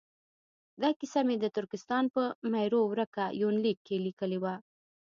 دا کیسه مې د ترکستان په میرو ورکه یونلیک کې لیکلې ده.